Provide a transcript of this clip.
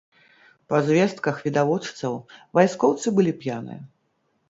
Па звестках відавочцаў, вайскоўцы былі п'яныя.